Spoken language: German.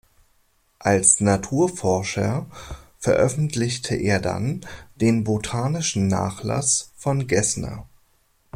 Als Naturforscher veröffentlichte er dann den botanischen Nachlass von Gesner.